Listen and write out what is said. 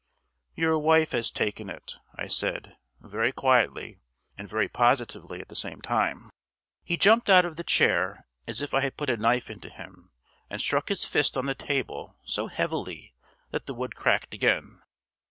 "Your wife has taken it," I said, very quietly, and very positively at the same time. He jumped out of the chair as if I had put a knife into him, and struck his fist on the table so heavily that the wood cracked again.